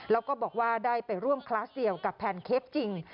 แล้วก็บอกว่าได้ไปร่วมคลาสเดียวกับแพนเค้กจริง